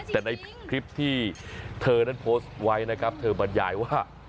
แต่ในคลิปที่เธอนั้นโพสต์ไว้นะครับเธอบรรยายว่า